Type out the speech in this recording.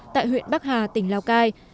tại huyện bắc hà tỉnh lào cai